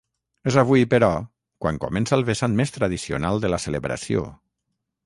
És avui, però, quan comença el vessant més tradicional de la celebració.